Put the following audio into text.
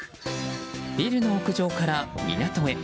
ビルの屋上から港へ。